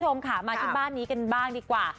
คุณผู้ชมค่ะมาที่บ้านนี้กันบ้างดีกว่า